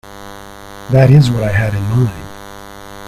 That is what I had in mind.